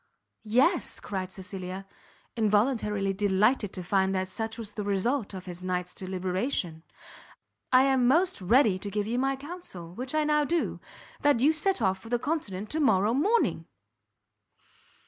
"Yes," cried Cecilia, involuntarily delighted to find that such was the result of his night's deliberation, "I am most ready to give you my counsel; which I now do, that you set off for the Continent to morrow morning."